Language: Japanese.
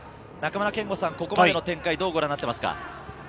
中村憲剛さん、ここまでの展開をどうご覧になってますか？